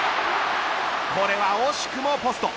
これは惜しくもポスト。